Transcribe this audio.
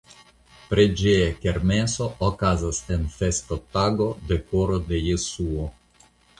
Preĝeja kermeso okazas en festotago de Koro de Jesuo.